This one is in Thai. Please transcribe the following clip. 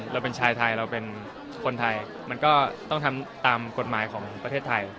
เราเป็นชายไทยเราเป็นคนไทยมันก็ต้องทำตามกฎหมายของประเทศไทย